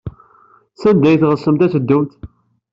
Sanda ay tɣetsemt ad teddumt?